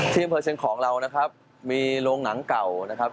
อำเภอเชียงของเรานะครับมีโรงหนังเก่านะครับ